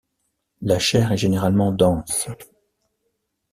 La chair est généralement dense.